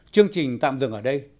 chương trình tạm dừng ở đây